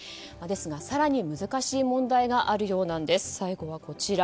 ですが、更に難しい問題があるようなんです。